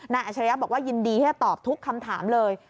นายอาชญะบอกว่ายินดีให้ตอบทุกคำถามเลย